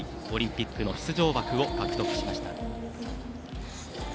オリンピックの出場枠を獲得しました。